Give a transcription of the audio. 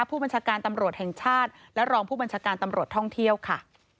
ผู้บัญชาการตำรวจแห่งชาติและรองผู้บัญชาการตำรวจท่องเที่ยวค่ะ